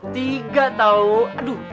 tiga tau aduh